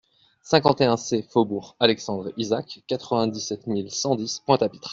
cinquante et un C faubourg Alexandre Isaac, quatre-vingt-dix-sept mille cent dix Pointe-à-Pitre